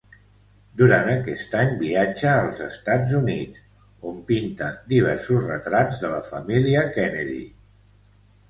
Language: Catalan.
Durant aquest any viatja als Estats Units, on pinta diversos retrats de la família Kennedy.